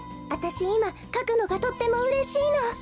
あたしいまかくのがとってもうれしいの。